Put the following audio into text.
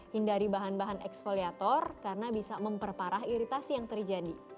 hindari bahan bahan eksfoliator karena bisa memperparah iritasi yang terjadi